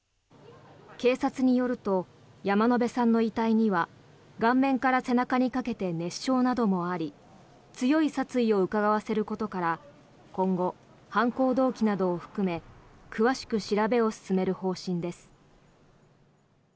警察によると山野辺さんの遺体には顔面から背中にかけて熱傷などもあり強い殺意をうかがわせることから今後、犯行動機などを含め詳しく調べを進める方針です。